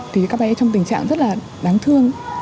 thì các bé trong tình trạng rất là đáng thương